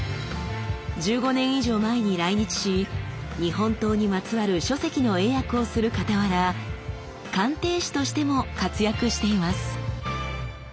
１５年以上前に来日し日本刀にまつわる書籍の英訳をするかたわら鑑定士としても活躍しています。